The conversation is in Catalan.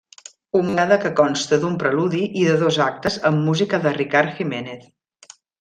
Humorada que consta d'un preludi i de dos actes amb música de Ricard Giménez.